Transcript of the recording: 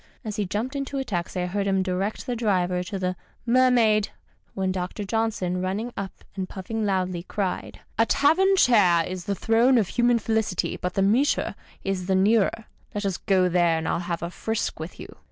As he jumped into a taxi, I heard him direct the driver to the " Mermaid," when Dr. Johnson, running up and pufling loudly, cried, " A tavern chair is the throne 16 MR. SHAKESPEARE DISORDERLY of human felicity. But the ' Mitre ' is the nearer. Let us go there, and TU have a frisk with you.'"